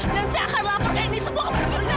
dan saya akan laporkan ini semua kepada polisi